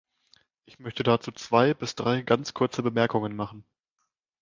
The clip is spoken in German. Ich möchte dazu zwei bis drei ganz kurze Bemerkungen machen.